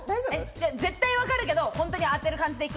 絶対分かるけど、本当に当てる感じでいく？